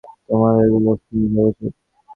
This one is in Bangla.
তোমার এগুলো ভুলে যাওয়া উচিত।